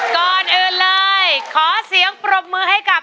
ก่อนอื่นเลยขอเสียงปรบมือให้กับ